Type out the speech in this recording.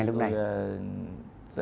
thật ra thì tôi